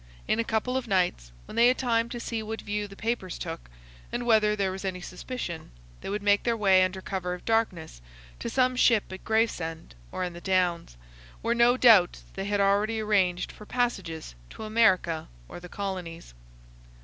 In a couple of nights, when they had time to see what view the papers took, and whether there was any suspicion, they would make their way under cover of darkness to some ship at Gravesend or in the Downs, where no doubt they had already arranged for passages to America or the Colonies."